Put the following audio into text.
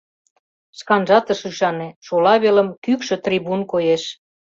Шканжат ыш ӱшане: шола велым кӱкшӧ трибун коеш.